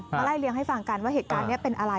ไล่เลี้ยให้ฟังกันว่าเหตุการณ์นี้เป็นอะไร